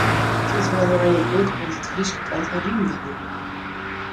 Tiid foar wat oranjekoek, want it Frysk kriget in rymwurdboek.